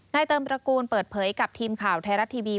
เติมตระกูลเปิดเผยกับทีมข่าวไทยรัฐทีวี